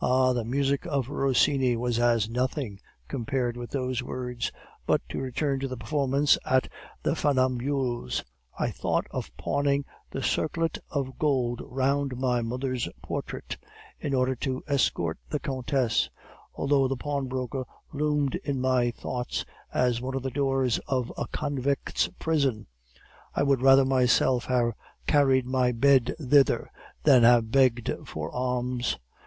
"Ah, the music of Rossini was as nothing compared with those words. But to return to the performance at the Funambules. "I thought of pawning the circlet of gold round my mother's portrait in order to escort the countess. Although the pawnbroker loomed in my thoughts as one of the doors of a convict's prison, I would rather myself have carried my bed thither than have begged for alms.